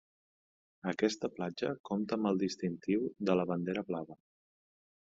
Aquesta platja compta amb el distintiu de la Bandera Blava.